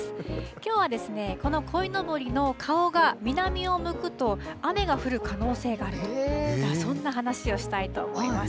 きょうはですねこの、こいのぼりの顔が南を向くと雨が降る可能性があるといったそんな話をしたいと思います。